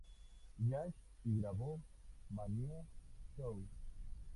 Jazz y grabó "Mamie Zou".